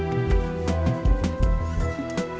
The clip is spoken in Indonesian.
sudah tahu siapa backing mereka